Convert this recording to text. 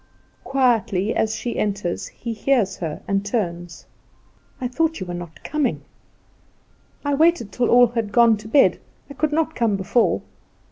Quietly as she enters, he hears her, and turns. "I thought you were not coming." "I waited till all had gone to bed. I could not come before."